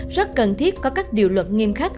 rất cần thiết có các điều luật nghiêm khắc